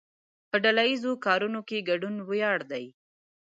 په ډله ایزو کارونو کې ګډون ویاړ دی.